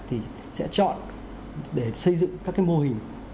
thì sẽ chọn để xây dựng các mô hình